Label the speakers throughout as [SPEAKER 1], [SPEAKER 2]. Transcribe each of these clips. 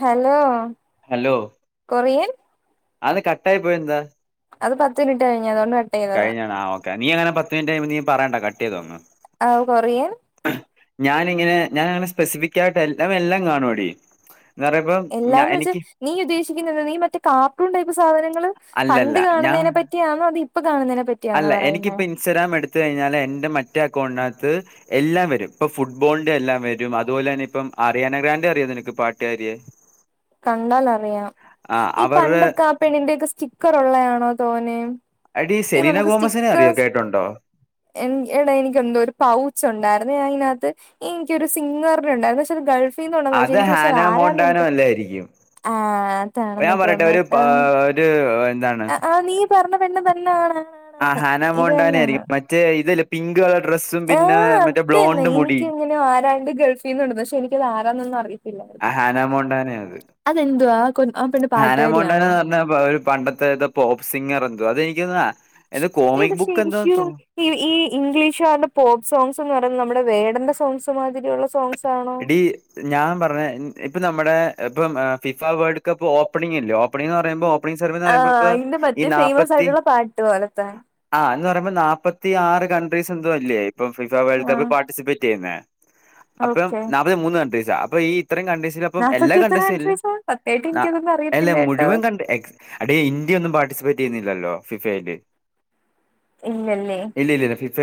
[SPEAKER 1] Hello
[SPEAKER 2] hello
[SPEAKER 1] Korean
[SPEAKER 2] അത്‌കട്ടായി പോയെന്താ
[SPEAKER 1] അത് പത്ത് മിനിറ്റ് കഴിഞ്ഞ് അതോണ്ട് കട്ട് ചെയ്തതാ
[SPEAKER 2] കഴിഞ്ഞാണ ആഹ് ഓകെ നീ അങ്ങനെ പത്ത് മിനിറ്റ് കഴിയമ്പ നീ പറയണ്ട കട്ട് ചെയ്തോ അങ്ങ്
[SPEAKER 1] ആവു കൊറിയൻ
[SPEAKER 2] ഞാനിങ്ങനെ ഞാനങ്ങനെ സ്പെസിഫിക്കായിട്ട് എല്ലാം വെല്ലൊം കാണോടി എന്ന് പറയ്മ്പം
[SPEAKER 1] എല്ലാന്ന് വെച്ചാ നീ ഉദ്ദേശിക്കുന്നത് നീ മറ്റേ കാർട്ടൂൺ ടൈപ്പ് സാധനങ്ങള്
[SPEAKER 2] അല്ലല്ല
[SPEAKER 1] പണ്ട്
[SPEAKER 2] ഞാൻ
[SPEAKER 1] കാണുന്നതിനെ പറ്റി ണോ അത് ഇപ്പ കാണുന്നതിനെ പറ്റ
[SPEAKER 2] അല്ല എനിക്കിപ്പോ ഇൻസ്റ്റഗ്രാം എടുത്ത് കഴിഞ്ഞാല് എന്റെ മറ്റേ അക്കൗണ്ടിനകത്ത് എല്ലാം വരും ഇപ്പ ഫുട്ബൊളിന്റെ എല്ലാം വരും അതുപോലെ തന്നെ ഇപ്പ അറിയാന ഗ്രാൻ് അറിയാ നിനക്ക് പാട്ടുകാര്യെ
[SPEAKER 1] കണ്ടാലറിയാം
[SPEAKER 2] ആ
[SPEAKER 1] ഈ
[SPEAKER 2] അവരുടെ
[SPEAKER 1] പണ്ടൊക്കെ ആഹ് പെണ്ണിന്റെക്കെ സ്റ്റിക്കർ ഉള്ളതയാണോ തോനെ
[SPEAKER 2] അടി
[SPEAKER 1] ഈ
[SPEAKER 2] സെലീന കോമസിനെ അറിയ കേ ട്ടിണ്ടോ
[SPEAKER 1] എൻ എടേ എനിക്ക് എന്തോ ഒരു പൗച്ച് ഒണ്ടാര്ന്നേ ഞാൻ അയിനകത്ത് എനിക്ക ഒരു സിംഗറി ഉണ്ടായിരുന്നു പക്ഷെ അത് ഗൾഫിൽൽന്ന്ണ്ടണന്ന്ച്ചാ എനിക്ക് പക്ഷെ അത് ആരണെന്ന് എക്ക്
[SPEAKER 2] യിരിക്കും
[SPEAKER 1] ആഹ് അതാണെന്ന് തോന്നട്ടോ
[SPEAKER 2] ഒരു എന്താണ്
[SPEAKER 1] ആഹ് നീ പറഞ്ഞ പെണ്ണ തന്നെ ആണ് ആണ്
[SPEAKER 2] ആഹ്
[SPEAKER 1] ആണ് ഇത്
[SPEAKER 2] ഹാനമോണ്ടാനെ
[SPEAKER 1] തന്നെയാണ്
[SPEAKER 2] ആയിരിക്കും മറ്റേ ഇതല്ല പിങ്ക് കളർ ഡ്രസ്സും പിന്നെ മറ്റേ ബ്ലോണ്ടും മുടി
[SPEAKER 1] അങ്ങനെ ആരാണ്ട് ഗൾഫീന്ന് കൊണ്ട്ന്ന പക്ഷെ എനിക്ക് ആരണന്നൊന്ന അറിയാം
[SPEAKER 2] ആഹ് ഹാന മോണ്ടാനെ അത്
[SPEAKER 1] അതെന്തുവാ ആ കൊ ആ പെണ്ണ് പാട്ടുകാരിയാണോ
[SPEAKER 2] ഹാനാമോണ്ടാനന്ന് പറഞ്ഞപ്പ പണ്ടത്തെത് പോപ്പ് സിംഗർ എന്തോ അതെനിക്ക് പൊന്ന്യം എന്റെ
[SPEAKER 1] എടി
[SPEAKER 2] കോമിക് ബുക്ക് എന്താ തോ
[SPEAKER 1] ശരിക്കും ഈ ഈ ഇംഗ്ലീഷ്കാരുടെ പോപ്പ് സോങ്ങ്സ് എന്ന് പറയുന്നത് നമ്മുടെ വേടന്റെ സോങ്സ് മാതിരിയുള്ള സോങ്സ് ആണോ
[SPEAKER 2] എടി ഞാൻ പറഞ്ഞ ഇപ്പ നമ്മുടെ ഇപ്പം ഫിഫ വേൾഡ് കപ്പ് ഓപ്പണിംഗ ഇല്ലേ ഓപ്പണിംഗ എന്ന് പറയ്ബൊ അ സർവന്ന് പറയ്പ
[SPEAKER 1] ആഹ്
[SPEAKER 2] ഇപ്പ
[SPEAKER 1] അയിന്റെ
[SPEAKER 2] ഈ
[SPEAKER 1] മറ്റേ ഫേമസ്
[SPEAKER 2] നാപ്പത്തി
[SPEAKER 1] ആയിട്ടുള്ള പാട്ട് പോലത്തെ
[SPEAKER 2] ആഹ് എന്ന് പറയുമ്പോ നാല്പ്പത്തി ആറ് കൺട്രീസ് എന്തും അല്ലേ ഇപ്പ ഫിഫ വേൾഡ് കപ്പ്
[SPEAKER 1] ആഹ്
[SPEAKER 2] പാർട്ടിസിപ്പേറ്റ് ചെയ്യുന്നേ അപ്പം
[SPEAKER 1] ഓക്കെ
[SPEAKER 2] നാല്പതി മൂന്ന് കൺ്രീസ അപ്പ ഈ ഇത്രയും കൺ്രീസില അപ്പം
[SPEAKER 1] നാപ്പത്തി
[SPEAKER 2] എല്ലാം
[SPEAKER 1] എത്ര
[SPEAKER 2] കണ്ട്സില്ല
[SPEAKER 1] കൺട്രീസാ സത്യായിട്ട് എനിക്കതൊന്നും
[SPEAKER 2] അല്ല
[SPEAKER 1] അറിയത്തില്ല കേട്ടോ
[SPEAKER 2] മുഴുവൻ കണ്ട എടി ഇന്ത്യ ഒന്നും പാർട്ടിസിപ്പേറ്റ് ചെയ്യുന്നില്ലല്ലോ ഫിഫയില്
[SPEAKER 1] ഇല്ലല്ലേ
[SPEAKER 2] ഇല്ലല്ല ഫിഫ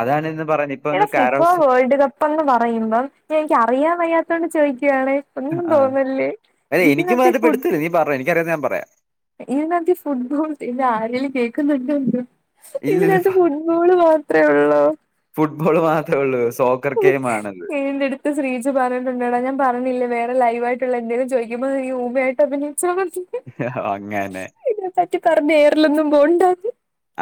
[SPEAKER 2] അതാണ്ന്ന് പറഞ്ഞ
[SPEAKER 1] എടി ഫിഫോ വേൾഡ് കപ്പ്ന്ന് പറയുമ്പം ഞ എനിക്ക് അറിയാൻ വയ്യാത്തോണ്ട് ചോദിക്യാണേ ഒന്നും
[SPEAKER 2] ആ
[SPEAKER 1] തോന്നല്ലേ
[SPEAKER 2] അല്ല എനിക്കും
[SPEAKER 1] ഇതിനത്ത്
[SPEAKER 2] അതായിട്ട്
[SPEAKER 1] ഫുഡ്
[SPEAKER 2] പെടുത്തില്ല നീ പറ എനിക്കറിയാം ഞാൻ പറയാം
[SPEAKER 1] ഇതിനകത്ത് ഫുട്ബോൾ എന്റെ ആരെൽ ജയിക്കുന്നുണ്ടൊഎത്നൊ
[SPEAKER 2] ഇല്ലില്ല
[SPEAKER 1] ഇതിനകത്ത് ഫുട്ബ ബോൾ മാത്രേ ഒള്ളൊ
[SPEAKER 2] ഫുട്ബോൾ മാത്രേ ഒള്ളൂ സോ
[SPEAKER 1] എ ഏന്ത്ട ശ്രീജ പറഞ്ഞിട്ടുണ്ടട ഞാൻ പറഞ്ഞില്ലേ വേറെ ലൈവയിട്ടുള്ള എന്തേലും ചൊയിക്കുമ്പോ നീ ഊമയായിട്ട് അഭിനയിച്ച മതി
[SPEAKER 2] ഹൊ ഹൊ അങ്ങനെ
[SPEAKER 1] സറ്റിക്കറന്ന് ഏറിലൊന്നും പോവണ്ടാന്ന്.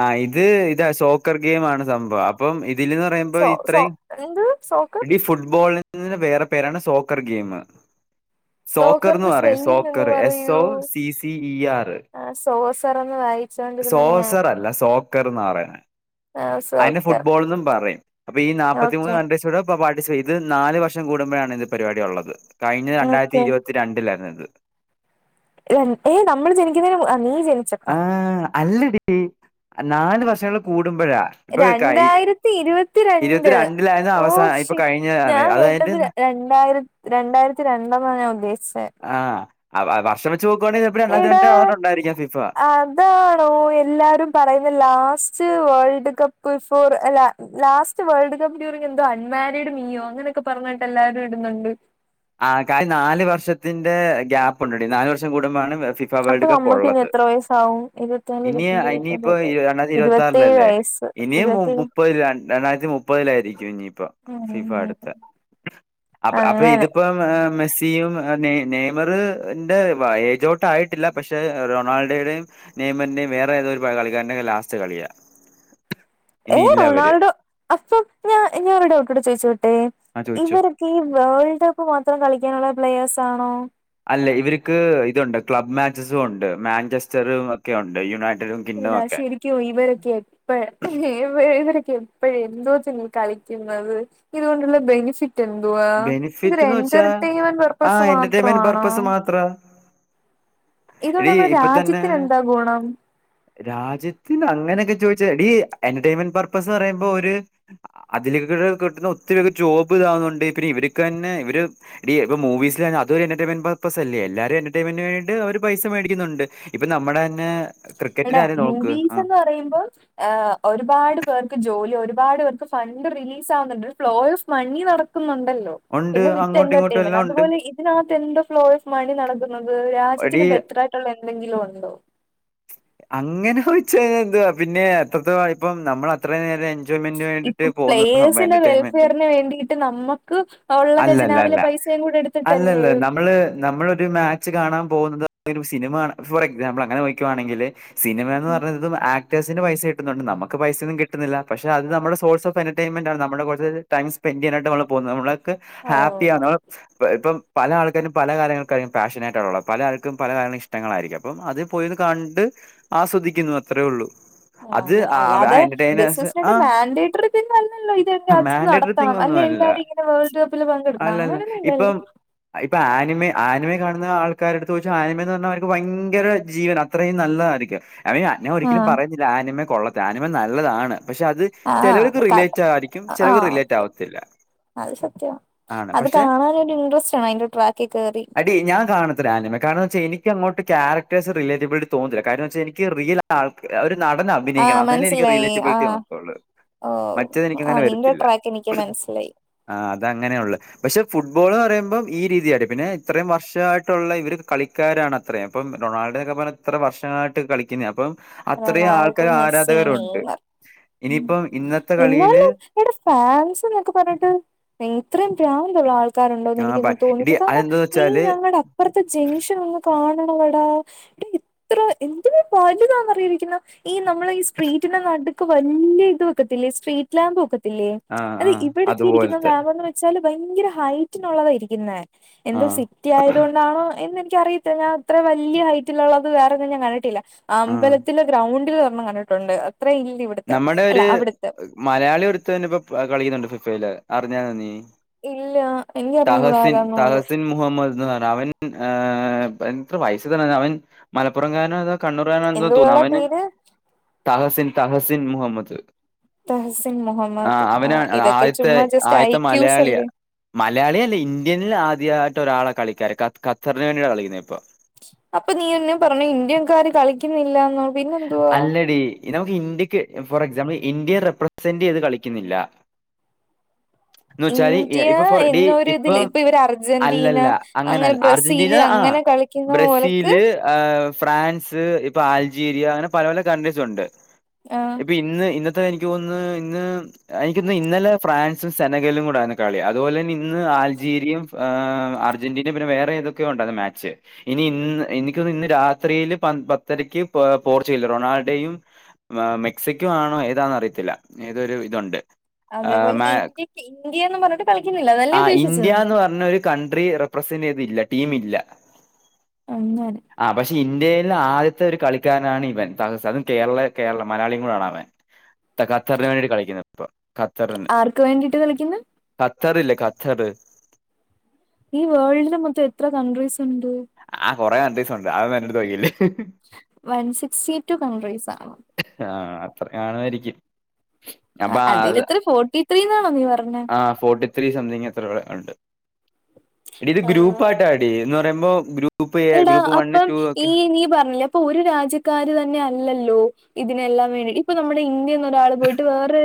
[SPEAKER 2] ആഹ് ഇത് ഇത സോക്കർ ഗെയിം ആണ് സംഭവം. അപ്പം ഇതിലന്ന് പറയുമ്പോ
[SPEAKER 1] സോ സോ
[SPEAKER 2] ഇത്രേം
[SPEAKER 1] എന്ത് സോക്കർ
[SPEAKER 2] ഇത് ഫുട്ബോള്, ഇതിന് വേറെ പേരാണ് സോക്കർ ഗെയിമ്. സോക്കർ എന്ന്
[SPEAKER 1] സോക്കറിന്റെ
[SPEAKER 2] പറയാം
[SPEAKER 1] സ്പെല്ലിംഗ് ഒന്ന്
[SPEAKER 2] soccer S O C C E R.
[SPEAKER 1] ആഹ് സോസറ് എന്ന് വായിച്ചോണ്ടിരുന്ന ഞാൻ.
[SPEAKER 2] സോക്കർന്നാ പറയണേ.
[SPEAKER 1] ആ,
[SPEAKER 2] അതിനെ
[SPEAKER 1] സോക്കർ
[SPEAKER 2] ഫുട്ബോൾന്നും പറയും. അപ്പൊ ഈ നാല്പ്പത്തിമൂന്ന്
[SPEAKER 1] ഓക്കെ
[SPEAKER 2] [unintelligible] ച്ചൂടെ ഇപ്പൊ പാർട്ടിസിപ്പറ്റ്, ഇത് നാല് വർഷം കൂടുമ്പോഴാണ് ഇത് പരിപാടി ഉള്ളത്. കഴിഞ്ഞ രണ്ടായിരത്തി
[SPEAKER 1] ഓക്കെ
[SPEAKER 2] ഇരുപത്തി രണ്ടിലായിരുന്നു ഇത്.
[SPEAKER 1] ഏയ് നമ്മള് ജനിക്കുന്നതിന് മു, ആ നീ ജനിച്ച
[SPEAKER 2] ആഹ് അല്ലടി നാല് വർഷങ്ങൾ കൂടുമ്പോഴാ. ഇപ്പൊ കയി
[SPEAKER 1] രണ്ടായിരത്തി ഇരുപത്തിരണ്ട്
[SPEAKER 2] ഇരുപത്തിരണ്ടിലായിരുന്നു
[SPEAKER 1] ഓ
[SPEAKER 2] അവസാന ഇപ്പൊ
[SPEAKER 1] ഷി
[SPEAKER 2] കഴിഞ്ഞതാണ്
[SPEAKER 1] ഞാൻ
[SPEAKER 2] അത് അതിന്റെ
[SPEAKER 1] കേട്ടത് ര രണ്ടായിര രണ്ടായിരത്തി രണ്ടെന്ന ഞാൻ ഉദ്ദേശിച്ചെ.
[SPEAKER 2] ആഹ് ആ വർഷം വെച്ച് നോക്കുവാണെങ്കിൽ ചെലപ്പാ രണ്ടായിരത്തി രണ്ടു [unintelligible] യിരിക്കാം ഫിഫ.
[SPEAKER 1] ഇതാണോ എല്ലാരും പറയുന്ന ലാസ്റ്റ് വേൾഡ് കപ്പ് ഫോർ അല്ല, ലാസ്റ്റ് വേൾഡ് കപ്പ് ഡ്യൂറിങ് എന്തോ അൺമാരിഡ് മീയോ അങ്ങനെയൊക്കെ പറഞ്ഞിട്ട് എല്ലാരും ഇടുന്നുണ്ട്.
[SPEAKER 2] ആഹ് ക നാല് വർഷത്തിന്റെ ഗ്യാപ്പുണ്ടടി. നാല് വർഷം കൂടുമ്പാണ് ഫി ഫ
[SPEAKER 1] അപ്പൊ
[SPEAKER 2] വേൾഡ് കപ്പ്
[SPEAKER 1] നമ്മക്ക് ഇനി
[SPEAKER 2] ഉള്ളത്.
[SPEAKER 1] എത്ര വയസ്സാവും ഇരുപത്തിനാല്
[SPEAKER 2] ഇനി
[SPEAKER 1] ഇരുപത്തഞ്ച്
[SPEAKER 2] ഇനിയിപ്പോ
[SPEAKER 1] ഇരുപത്തിയാറ്
[SPEAKER 2] രണ്ടായിരത്തി
[SPEAKER 1] ഇരുപത്തേഴ്
[SPEAKER 2] ഇരുപത്തി
[SPEAKER 1] ഇരുപത്തേഴ്
[SPEAKER 2] ആറിലല്ലേ.
[SPEAKER 1] വയസ്സ്
[SPEAKER 2] ഇനിയും മു
[SPEAKER 1] ഇരുപത്തേഴ്
[SPEAKER 2] മുപ്പതി രണ്ടായിരത്തി മുപ്പതിലായിരിക്കും ഇനിയിപ്പ ഫിഫ
[SPEAKER 1] ഉം
[SPEAKER 2] അടുത്തെ.
[SPEAKER 1] [inaudible]
[SPEAKER 2] അപ്പ അപ്പ
[SPEAKER 1] അങ്ങനെ
[SPEAKER 2] ഇതിപ്പോ ഇപ്പം ഏഹ് മെസ്സിയും അഹ് നെയ് നെയ്മർ ന്റെ വയ എയ്ജൗട്ട് ആയിട്ടില്ല. പക്ഷെ റൊണാൾഡേടെം നെയ്മറിന്റേം വേറെ ഏതോ ഒരു പ കളിക്കാരന്റേം ലാസ്റ്റ് കളിയാ.
[SPEAKER 1] [inaudible]
[SPEAKER 2] ഇനി
[SPEAKER 1] ഏഹ്
[SPEAKER 2] ഇല്ല അവര്
[SPEAKER 1] റൊണാൾഡോ അപ്പൊ ഞാ ഞാൻ ഒരു ഡൗട്ടുടെ ചോയിച്ചോട്ടെ
[SPEAKER 2] ആ ചോദിച്ചോ
[SPEAKER 1] ഇവര്പ് ഈ വേൾഡ് കപ്പ് മാത്രം കളിക്കാനുള്ള പ്ലെയേഴ്സ് ആണോ
[SPEAKER 2] അല്ല ഇവര്ക്ക് ഇതുണ്ട്. ക്ലബ് മാച്ചസും ഒണ്ട്, മാഞ്ചസ്റ്ററും ഒക്കെ ഉണ്ട്, യുണൈറ്റഡും. കിങ്ഡം
[SPEAKER 1] [unintelligible]
[SPEAKER 2] ഒക്കെ
[SPEAKER 1] ശരി. ക്യോ ഇവരൊക്കെ എപ്പ ഇവരൊക്കെ എപ്പഴ് എന്തോത്തിനാ കളിക്കുന്നത്. ഇതുകൊണ്ടുള്ള ബെനിഫി റ്റെന്തുവാ? ഇവരു
[SPEAKER 2] ബെനിഫിറ്റ് എന്ന് വെച്ചാ
[SPEAKER 1] എന്റർടൈമെന്റ് പെർപ്പസ് മാത്രവാണോ?
[SPEAKER 2] ത്ര
[SPEAKER 1] ഇതോണ്ട് നമ്മുടെ
[SPEAKER 2] തന്നെ
[SPEAKER 1] രാജ്യത്തിന് എന്താ ഗുണം?
[SPEAKER 2] രാജ്യത്തിന് അങ്ങനെക്കെ ചോദിച്ചാ, എടി എന്റെയ്മെൻ പർപ്പസ്സ്ന്ന് പറയുമ്പോ ഒര്, അതിലിക്കുട കിട്ടുന്ന ഒത്തിരി ജോബ് ഇതാവുന്നുണ്ട്. പിന്നെ ഇവര്ക്ക് തന്നെ ഇവര്, ടി ഇപ്പൊ മൂവീസിലന്നെ, അതൊര് എന്റർടൈമെന്റ് പർപ്പസ്സല്ലേ. എല്ലാരും എന്റർടൈമെന്റിന് വേണ്ടിട്ട് അവര് പൈസ മേടിക്കുന്നുണ്ട്. ഇപ്പൊ നമ്മടെ തന്നെ ക്രിക്കറ്റിന്റെ കാര്യം നോക്ക്, ആഹ്
[SPEAKER 1] ചെയ്യുമ്പോൾ, ഏഹ് ഒരുപാട് പേർക്ക് ജോലി ഒരുപാട് പേർക്ക് ഫണ്ട് റിലീസ് ആവുന്നുണ്ട്. ഒരു ഫ്ലോ ഓഫ് മണി നടക് ക്കുന്നുണ്ടല്ലോ.
[SPEAKER 2] ഉണ്ട്
[SPEAKER 1] പിന്നെ വിത്ത്
[SPEAKER 2] അങ്ങോട്ടും ഇങ്ങോട്ടും
[SPEAKER 1] എന്റർടൈമെന്റ്
[SPEAKER 2] എല്ലാം ഉണ്ട്
[SPEAKER 1] അതുപോലെ ഇ തിനകത്ത് എന്ത്‌ ഫ്ലോ ഓഫ് മണി നടക്കുന്നത്.
[SPEAKER 2] എടീ
[SPEAKER 1] രാജ്യത്തിന് ബെറ്റർ ആയിട്ടുള്ള എന്തെങ്കിലും ഉണ്ടോ?
[SPEAKER 2] അങ്ങനെ ചോയ്ച്ച ഇത് എന്ത്‌വാ. പിന്നെ എത്രത്തോളാ ഇപ്പം നമ്മൾ അത്ര നേരം എൻ
[SPEAKER 1] ഇപ്പ പ്ലേയേഴ്സിന്റെ വെൽഫെയറിന് വേണ്ടിട്ട് നമ്മക്ക് ഉള്ള
[SPEAKER 2] അല്ലല്ല അല്ല
[SPEAKER 1] ഖജനാവിലെ പൈസേം കൂടെ എടു
[SPEAKER 2] അല്ലല്ല നമ്മള് നമ്മളൊരു മാ ച്ച് കാണാൻ പോകുന്നത് ഒരു സിനിമ കാണാൻ ഫോർ എക്സാമ്പിൾ അങ്ങനെ ചോയ്ക്കുവാണെങ്കില്, സിനിമേന്ന്
[SPEAKER 1] ഉം.
[SPEAKER 2] പറയന്നതും ആക്ടേഴ്സ സിന് പൈസ കിട്ടുന്നുണ്ട്. നമ്മക്ക് പൈസയൊന്നും കിട്ടുന്നില്ല. പക്ഷെ അത് നമ്മുടെ സോഴ്സ് ഓഫ് എന്റർടൈമെന്റാണ് നമ്മുടെ കുറേ ടൈം സ്പെൻഡ് ചെയ്യാനായിട്ടാ നമ്മള് പോകുന്നത്. നമ്മളക്കെ
[SPEAKER 1] ഓ
[SPEAKER 2] ഹാപ്പിയാണോ ഏഹ് ഇപ്പം പല ആൾക്കാരും പല കാര്യങ്ങൾക്കായിരിക്കും പാഷനായിട്ട് ഉള്ളത്. പല ആൾക്കും പല കാര്യങ്ങളും ഇഷ്ടങ്ങളായിരിക്കും. അപ്പം അത് പോയിര്ന്ന് കണ്ട് ആസ്വദിക്കുന്നു അത്രേ ഉള്ളൂ.
[SPEAKER 1] ആഹ്
[SPEAKER 2] അത്
[SPEAKER 1] അങ്ങനെ
[SPEAKER 2] ആ
[SPEAKER 1] അല്ലാതെ
[SPEAKER 2] എന്റർടൈനേഴ്സ്
[SPEAKER 1] ബിസ്നസ്സിന്റെ
[SPEAKER 2] ആ
[SPEAKER 1] മാൻഡേറ്ററി പിൻ അല്ലല്ലോ ഇത് ഇന്ന രാജ്യത്ത്
[SPEAKER 2] മാൻഡേറ്ററി
[SPEAKER 1] നടത്തണം
[SPEAKER 2] തിങ് ഒന്നും
[SPEAKER 1] അല്ലേ
[SPEAKER 2] അല്ല.
[SPEAKER 1] എല്ലാരും ഇങ്ങനെ, വേൾഡ് കപ്പില് പങ്കെടുക്കണം
[SPEAKER 2] അല്ലല്ല.
[SPEAKER 1] അങ്ങനൊന്നും ഇല്ലല്ലോ.
[SPEAKER 2] ഇപ്പം ഇപ്പൊ ആനിമേ ആനിമേ കാണുന്ന ആൾക്കാരിടടുത്ത് ചോദിച്ചാ ആനിമേന്ന് പറഞ്ഞാ അവർക്ക് ഭയങ്കര ജീവനാ അത്രേം നല്ലതാരിക്കും അവന് അങ്ങനെ
[SPEAKER 1] ആ
[SPEAKER 2] ഒരിക്കലും പറഞ്ഞ് ആനിമേ കൊള്ളത്തില്ല ആനിമേ നല്ലതാണ് പക്ഷെ അത്
[SPEAKER 1] ആഹ്
[SPEAKER 2] ചെലവര്ക്ക്
[SPEAKER 1] ക
[SPEAKER 2] റിലേറ്റ് ആരിക്കും ചെലവർക്ക്
[SPEAKER 1] ആഹ്
[SPEAKER 2] റിലേറ്റ്
[SPEAKER 1] ഓക്കെ
[SPEAKER 2] ആവത്തില്ല
[SPEAKER 1] അത് സത്യവാ
[SPEAKER 2] ആണ്
[SPEAKER 1] അത്
[SPEAKER 2] പക്ഷെ
[SPEAKER 1] കാണാൻ ഒരു ഇൻട്രസ്റ്റ് ആണ് അതിന്റെ ട്രാക്കി കേറി
[SPEAKER 2] അടി ഞാൻ കാണത്തില്ല ആനിമേ കാരണംന്ന് വെച്ചാ എനിക്കങ്ങോട്ട് ക്യാരക് റ്റേഴ്സ് റിലെറ്റബ്ളായിട്ട് തോന്നത്തില്ല കാരണം എന്ന് വെച്ചാ എനിക്ക് റിയൽ ആൾക്ക് ആഹ് ഒരു നടന ഭിനയിക്കണം
[SPEAKER 1] ആഹ്
[SPEAKER 2] അന്നാലെ എനിക്ക്
[SPEAKER 1] മനസ്സിലായി
[SPEAKER 2] റിലേറ്റബിളിറ്റി
[SPEAKER 1] ആഹ്
[SPEAKER 2] തോന്നത്തൊള്ള്
[SPEAKER 1] ഓഹ് ആഹ് നിന്റെ ട്രാക്ക് എനിക്ക് മനസ്സിലായി
[SPEAKER 2] ആഹ് അത് അങ്ങനെയുള്ള് പക്ഷെ ഫുട്ബോൾ എന്ന് പറയുമ്പം ഈ രീതിയാടി പിന്നെ ഇത്രേം വർഷായിട്ടുള്ള ഇവര് കളിക്കാരാണ് അത്രേം അപ്പം റൊണാൾഡേന്നൊക്കെ പറഞ്ഞ എത്ര വർഷങ്ങളായിട്ട് കളിക്കുന്നയാ അപ്പം അത്രേം
[SPEAKER 1] റൊണാൾഡോ
[SPEAKER 2] ആൾക്കാര്
[SPEAKER 1] മെസ്സി
[SPEAKER 2] ആരാധകരുണ്ട്
[SPEAKER 1] നെയ്മർ
[SPEAKER 2] ഇനിയിപ്പം ഇന്നത്തെ കളിയില്
[SPEAKER 1] എട ഫാൻസ് എന്നൊക്കെ പറഞ്ഞിട്ട് ഇത്രയും പ്രാന്തുള്ള ആൾ ക്കാരുണ്ടോ എന്ന് എനിക്കങ്ങ്
[SPEAKER 2] ആഹ് ഇടി
[SPEAKER 1] തോന്നിപോയ്‌ കാരണം
[SPEAKER 2] അതെന്താന്ന്
[SPEAKER 1] നീ
[SPEAKER 2] വെച്ചാല്
[SPEAKER 1] ഞങ്ങട ഇപ്പറത്ത ജംഗ്ഷൻ ഒന്ന് കാണണവടാ എടാ ഇത്ര എന്തൊരു വലുതാന്ന് ഇപ്പ ഇരിക്കുന്ന ഈ നമ്മള് ഈ സ്ട്രീറ്റിന്റെ നടുക്ക് വല്ലിയ ഇത് വെക്കത്തില്ലേ സ്ട്രീറ്റ് ലാമ്പ് വെക്കത് ത്തില്ലേ
[SPEAKER 2] ആഹ്
[SPEAKER 1] അത്
[SPEAKER 2] ആഹ്
[SPEAKER 1] ഇവിടൊക്കെ ഇരിക്കുന്ന
[SPEAKER 2] അതുപോലത്തെ
[SPEAKER 1] പാവങ്ങള് വെച്ചാല് ഭയങ്കര ഹൈറ്റിനുള്ളതാ യിരിക്ക്ന്നെ എന്തോ
[SPEAKER 2] ആഹ്
[SPEAKER 1] സി റ്റിയായതുകൊണ്ടാണോ എന്ന് എനിക്ക അറിയത്തില്ല. ഞാൻ ഇത്ര വലിയ ഹൈറ്റിലുള്ളത് വേറൊന്നും ഞാൻ കണ്ടിട്ടില്ല.
[SPEAKER 2] ആഹ്
[SPEAKER 1] അമ്പലത്തിലെ ഗ്രൗണ്ടില് ഒരെണ്ണം കണ്ടിട്ടുണ്ട് അത്ര ഇല്ല ഇവിട്
[SPEAKER 2] നമ്മുടെ ഒരു മലയാളി ഒരുത്തൻ ഇപ്പോ കളിയിലുണ്ട് ഫിഫയില് അറിഞ്ഞാരുന്നോ നീ
[SPEAKER 1] ഇല്ല എനിക്കറിഞ്ഞൂട
[SPEAKER 2] തഹസിൻ
[SPEAKER 1] ആരാന്ന് പോലും
[SPEAKER 2] തഹസിൻ മുഹമ്മദ് നഹർ അവൻ ൻ ഏഹ് പ് എത്ര വയസ് തനെ അവൻ മലപ്പുറം കാരനൊ അതോ കണ്ണൂർ കാരനോ എന്തോ തോന്നുന്നു
[SPEAKER 1] എന്തുവാടാ
[SPEAKER 2] അവന്
[SPEAKER 1] പേര്
[SPEAKER 2] തഹസിൻ തഹസിൻ മുഹമ്മദ്
[SPEAKER 1] തഹസിൻ മുഹമ്മദ്
[SPEAKER 2] ആഹ്
[SPEAKER 1] ആ
[SPEAKER 2] അവന്
[SPEAKER 1] ഇതൊക്കെ
[SPEAKER 2] ആദ്യത്തെ
[SPEAKER 1] ചുമ്മാ ജസ്റ്റ്
[SPEAKER 2] ആദ്യത്തെ
[SPEAKER 1] ഐക്യൂസ്
[SPEAKER 2] മലയാളിയാ
[SPEAKER 1] അല്ലേ
[SPEAKER 2] മലയാളി അല്ലേ ഇന്ത്യനിൽ ആദ്യമായിട്ട് ഒരാളെ കളിക്കാര് ഖത്തറിന് വേണ്ടിയിട്ടാണ് കളിക്കുന്നത് ഇപ്പൊ
[SPEAKER 1] അപ്പൊ നീ യല്ലേ പറഞ്ഞ് ഇന്ത്യൻക്കാര് കളിക്കുന്നില്ലന്ന്.
[SPEAKER 2] അല്ലടി നമുക്ക് ഇന്ത്യക്ക് ഫോർ എക്സാമ്പിൾ ഇന്ത്യയെ റെപ്രസെന്റ് ചെയ്ത് കളിക്കുന്നില്ല. എന്ന്
[SPEAKER 1] [inaudible]
[SPEAKER 2] വെച്ചാല് ഇ-
[SPEAKER 1] ഇന്ത്യ
[SPEAKER 2] ഇപ്പൊ ഫോർ ഡി
[SPEAKER 1] എന്നൊരു ഇതില്
[SPEAKER 2] ഇപ്പം
[SPEAKER 1] ഇപ്പൊ ഇവര് അർജന്റീന
[SPEAKER 2] അല്ലല്ല
[SPEAKER 1] അങ്ങനെ
[SPEAKER 2] അങ്ങനല്ല അർജന്റീന
[SPEAKER 1] ബ്രസീല്
[SPEAKER 2] ആ
[SPEAKER 1] അങ്ങനെ കളി ളിക്കുന്ന ഓന്ക്
[SPEAKER 2] ബ്രസീല് ഫ്രാൻസ് ഇപ്പൊ അൾജീരിയ അങ്ങനെ പല പല കൺട്രീസ് ഉണ്ട്.
[SPEAKER 1] ആ
[SPEAKER 2] ഇപ്പൊ ഇന്ന് ഇന്നത്തെ എനിക്ക് തോന്ന്ന്ന് ഇന്ന് എനിക്കിന്ന് ഇന്നലെ ഫ്രാൻസും, സനഗലും കൂടെ ആണ് കളി അതുപോലെ തന്നെ ഇന്ന് അൾജീരിയയും അർജന്റീനയും പിന്നെ വേറെ ഏതൊക്കെയൊ ഉണ്ടായിരുന്നു മാച്ച് ഇനി ഇന്ന് എനിക്കൊന്ന് ഇന്ന് രാത്രിയില് പത്തരക്ക് പോർച്ചുഗൽ റൊണാൾഡോയും മെക്സിക്കോ ആണോ ഏതാന്ന് അറിയത്തില്ല ഏതൊരു ഇതുണ്ട്. ആഹ്
[SPEAKER 1] അതേപോലെ
[SPEAKER 2] മാ
[SPEAKER 1] ഇന്ത്യക്ക് ഇന്ത്യയും പറഞ്ഞിട്ട് കളിക്കുന്നില്ല അതല്ലേ
[SPEAKER 2] ആഹ്
[SPEAKER 1] ഉദ്ദേശിച്ച നീ
[SPEAKER 2] ഇന്ത്യാന്ന് പറഞ്ഞ ഒരു കൺട്രി റെപ്രസെന്റ് ചെയ്തില്ല ടീമില്ല
[SPEAKER 1] അങ്ങനെ
[SPEAKER 2] ആഹ് പക്ഷെ ഇന്ത്യയിൽ ആദ്യത്തെ ഒരു കളി കളികാരനാണ് ഇവൻ അതും കേരള കേരള മലയാളിയും കൂടിയാണ് അവൻ. ഖത്തറിന് വേണ്ടിയിട്ട് കളിക്കുന്നത് ഖത്തറിന്
[SPEAKER 1] ആർക്ക് വേണ്ടിയിട്ട് കളിക്കുന്ന്
[SPEAKER 2] ഖത്തർ ഇല്ലേ ഖത്തറ്
[SPEAKER 1] ഈ വേൾഡിൽ മൊത്തം എത്ര കൺട്രീസ് ഉണ്ട്
[SPEAKER 2] ആ കൊറെ കൺട്രീസ് ഉണ്ട് അതൊന്നും എന്നോട് ചോദിക്കല്ല്
[SPEAKER 1] വൺ സിക്സ്റ്റി ടു കൺട്രീസ് ആണോ
[SPEAKER 2] ആഹ് അത്രയും കാണുവാരിക്കും.
[SPEAKER 1] ആ അതിൽ എത്ര ഫോർട്ടി ത്രീന്നാണോ നീ പറഞ്ഞെ
[SPEAKER 2] ആ ഫോർട്ടി ത്രീ സംതിങ് എത്ര ഉണ്ട് എടി ഇത്
[SPEAKER 1] ആഹ്
[SPEAKER 2] ഗ്രൂപ്പായിട്ടാടി എന്ന് പറയുമ്പോ ഗ്രൂപ്പ് ഇപ്പ
[SPEAKER 1] എടാ അപ്പം ഈ നീ പറഞ്ഞില്ലേ ഇപ്പൊ ഒരു രാജ്യക്കാര് തന്നെ അല്ലല്ലോ ഇതിനെല്ലാം വേണ്ടി ഇപ്പ നമ്മുടെ ഇന്ത്യ ഒരാള് പോയിട്ട് വേറെ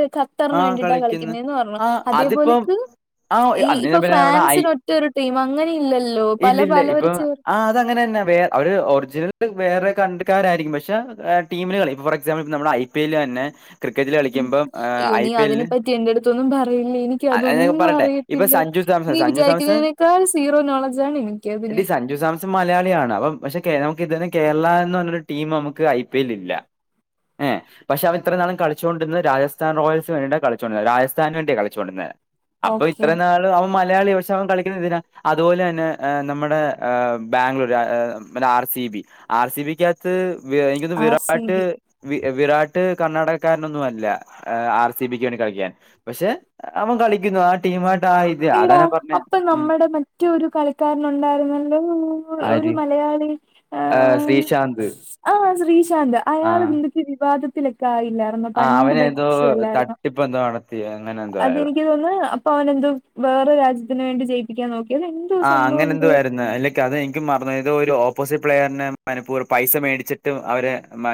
[SPEAKER 2] ആ
[SPEAKER 1] ഖത്തറിന് വേണ്ടിട്ടാ
[SPEAKER 2] കളിക്കുന്നു
[SPEAKER 1] കളിക്കുന്നേന്ന് പറഞ്ഞു
[SPEAKER 2] ആ
[SPEAKER 1] അതേ
[SPEAKER 2] അതിപ്പം
[SPEAKER 1] പോലെക്ക്
[SPEAKER 2] ആ
[SPEAKER 1] ഈ
[SPEAKER 2] അന്ന്
[SPEAKER 1] ഇപ്പൊ
[SPEAKER 2] ഞാൻ പിന്നെ നമ്മുടെ ഐ
[SPEAKER 1] ഫ്രാൻസിന് ഒറ്റൊരു ടീം അങ്ങനെ ഇല്ലല്ലോ പല പലവര് ചേർ
[SPEAKER 2] അ അങ്ങനെ തന്നെ വേറെ ഒരു ഒറിജിനൽ വേറെ കട്രികാരായിരിക്കും പക്ഷെ ടീമിനുകളിക്കും ഫോർ എക്സാമ്പിൾ നമ്മുടെ ഐ പിൽ തന്നെ ക്രിക്കറ്റിൽ
[SPEAKER 1] ഉം
[SPEAKER 2] കളിക്കുമ്പോ
[SPEAKER 1] അയ്യോ നീ അതിനെപ്പറ്റി എന്റെടുത്തൊന്നും പറയല്ലേ എനിക്ക് അതൊന്നും
[SPEAKER 2] പറയട്ടെ ഇപ്പൊ
[SPEAKER 1] അറിയത്തില്ല.
[SPEAKER 2] സഞ്ജു സാംസൺ
[SPEAKER 1] നീ
[SPEAKER 2] സഞ്ജു സാംസൺ
[SPEAKER 1] വിചാരിക്കുന്നതിനേക്കാൾ സീറോ നോളേജ് ആണ് എനിക്ക്.
[SPEAKER 2] എടി സഞ്ജു സാംസൺ മലയാളിയാണ് അപ്പം പക്ഷെ നമുക്ക് ഇതുന്നെ കേരള എന്ന് പറഞ്ഞൊരു ടീം നമുക്ക് ഐ പി എൽ ഇല്ല. ഏഹ് പക്ഷെ അവ ഇത്രനാളും കളിച്ചുകൊണ്ടിരുന്നത് രാജ റോയൽസ് വേണ്ടിയാ കളിച്ചോണ്ടിരുന്നെ രാജസ്ഥൻ വേണ്ടി കളിച്ചൊണ്ട് ഇരുന്നെ അപ്പ ഇത്ര
[SPEAKER 1] ഓക്കെ
[SPEAKER 2] നാള് അവൻ മ മലയാളി ദിവസം കളിക്കുന്നതെന്തിനാ, അതുപോലെ തന്നെ നമ്മുടെ ബാംഗ്ലൂര് പിന്നെ R C B. R C B ക ത്ത് എനിക്കൊന്ന്
[SPEAKER 1] R C
[SPEAKER 2] Virat
[SPEAKER 1] B
[SPEAKER 2] Virat കർണാടകക്കാരനൊന്നും അല്ല. ആർ സി ബിക്ക് വേണ്ടി കളിക്കാൻ. പക്ഷെ അവൻ കളിക്കുന്നു ആ ടീം ആയിട്ട് ആ ഇത് അതാ
[SPEAKER 1] എടാ
[SPEAKER 2] ഞാൻ പറഞ്ഞേ
[SPEAKER 1] അപ്പൊ
[SPEAKER 2] ഉം.
[SPEAKER 1] നമ്മുടെ മറ്റൊരു കളിക്കാരൻ ഉണ്ടായിരുന്നല്ലോ ഒരു
[SPEAKER 2] ആര്
[SPEAKER 1] മലയാളി
[SPEAKER 2] ഏഹ് ശ്രീശാന്ത്
[SPEAKER 1] ആ ശ്രീശാന്ത്
[SPEAKER 2] ആ
[SPEAKER 1] അയാള് നി വിവാദത്തിലൊക്കെ ആയില്ല
[SPEAKER 2] ആ
[SPEAKER 1] പണ്ട്
[SPEAKER 2] അവന് ഏതോ
[SPEAKER 1] ഭയങ്കര ഇഷ്യൂ അല്ലായിരുന്നോ
[SPEAKER 2] തട്ടിപ്പ് എന്തോ നടത്തി അങ്ങനെ എന്തോ ആയതാ
[SPEAKER 1] അതെനിക്ക് തോന്ന് അവനെന്തോ വേറെ രാജ്യത്തിന് വേണ്ടി ജയിപ്പിക്കാൻ നോക്കിയത് അത് എന്തുവാ
[SPEAKER 2] ആ
[SPEAKER 1] സംഭവം
[SPEAKER 2] അങ്ങനെ എന്തോ
[SPEAKER 1] എന്തുവാ
[SPEAKER 2] ആയിരുന്നു അല്ലെങ്കി അത് എനിക്കും മറന്ന് അത് ഒരു ഓപ്പോസിറ്റ് പ്ലെയറിനെ മനപൂർവ്വ പൈസ മേടിച്ചിട്ടും അവരെ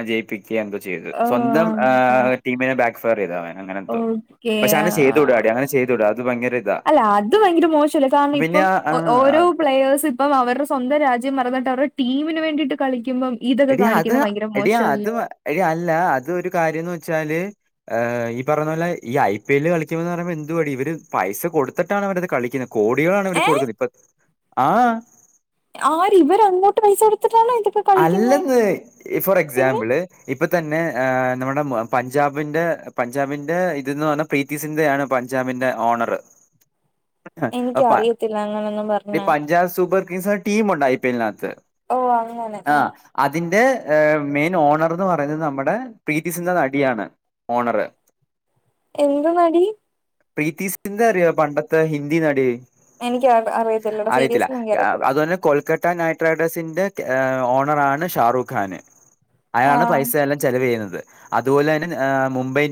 [SPEAKER 2] ജയിപ്പിക് ന്തോ ചെയ്ത് സ്വന്തം
[SPEAKER 1] ആഹ്
[SPEAKER 2] ആഹ് ടീമിനെ ബാക്ക്ഫയർ ചെയ്ത് അവൻ അങ്ങനെന്തോ
[SPEAKER 1] ഓക്കെ
[SPEAKER 2] പക്ഷെ അങ്ങനെ
[SPEAKER 1] ആഹ്
[SPEAKER 2] ചെയ്തുടാടി അങ്ങനെ ചെയ്തൂടാ അത് ഭയങ്കര ഇതാ
[SPEAKER 1] അല്ല അത് ഭയങ്കര മോശല്ലേ കാരണം
[SPEAKER 2] പിന്നെ
[SPEAKER 1] ഇപ്പം
[SPEAKER 2] ആ ആ,
[SPEAKER 1] ഓരോ പ്ലേഴ്സ് ഇപ്പം അവരുടെ സ്വന്ത രാജ്യം മറന്നിട്ട് അവരുടെ ടീമിന് വേണ്ടിയിട്ട് കളിക്കുമ്പം ഇതൊക്കെ കാണിക്കുന്ന ഭയങ്കര മോശല്ലേ
[SPEAKER 2] അയ് അല്ല അതൊരു കാര്യം എന്താന്ന് വെച്ചാല് ഏഹ് ഈ പറയിന്ന പോലെ ഈ ഐ പി എല്ല് കളിക്കുമെന്ന് പറയുന്ന എന്തുവാടി ഇവര് പൈസ കൊടുത്തിട്ടാണ് അവരത് കളിക്കുന്നത് കോടികളാണ്
[SPEAKER 1] ഏ
[SPEAKER 2] ഇവര്ക്ക് കൊടുക്കുന്നത് ഇപ്പൊ ആഹ്
[SPEAKER 1] ആര് ഇവര് അങ്ങോട്ട് പൈസ എടുത്തിട്ടാണോ ഇതിപ്പോ
[SPEAKER 2] അല്ലെന്ന് ഫോർ എക്സാമ്പിള് ഇപ്പൊ തന്നെ നമ്മുടെ പഞ്ചാബിന്റെ പഞ്ചാബിന്റെ ഇതെന്ന് പറഞ്ഞാ പ്രീതി സിന്ധയാണ് പഞ്ചാബിൻ്റെ ഓണറ്
[SPEAKER 1] എനിക്കറിയത്തില്ല അങ്ങനൊന്നും
[SPEAKER 2] അ
[SPEAKER 1] പറഞ്ഞ്
[SPEAKER 2] പഞ്ചാബ് സൂപ്പർ കിംഗ്സ് ടീമുണ്ട് ഐ പി എല്ലിനാത്ത്
[SPEAKER 1] ഓഹ് അങ്ങനെ മ്
[SPEAKER 2] അതിന്റെ മെയിൻ ഓണർന്ന് പറയുന്നത് നമ്മുടെ പ്രീതി സിന്ധ നടിയാണ് ഓണറ്
[SPEAKER 1] എന്ത് നടി
[SPEAKER 2] പ്രീതി സിധ അറിയോ പണ്ടത്തെ ഹിന്ദി നടി
[SPEAKER 1] എനിക്ക് അറിയത്തില്ലടാ
[SPEAKER 2] അറിയത്തില്ല
[SPEAKER 1] സീരിയസ്ലി എനിക്കറിയത്തില്ല
[SPEAKER 2] അത് തന്നെ കൊൽക്ക നൈറ്റ് റൈഡേഴ്സിന്റെ ഓണറാണ് ഷാറൂഖാന് അയാളാണ്
[SPEAKER 1] ആഹ്
[SPEAKER 2] പൈസയെല്ലാം ചെലവ് ചെയ്യുന്നത് അതുപോലെ തന്നെ മുംബൈ